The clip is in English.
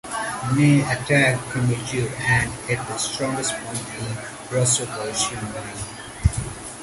Ney attacked premature and at the strongest point in the Russo-Prussian line.